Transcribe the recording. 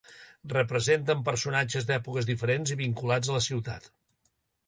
Representen personatges d'èpoques diferents i vinculats a la ciutat.